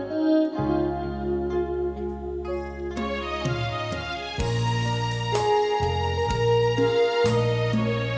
ลาเที่ยจุดสรรค์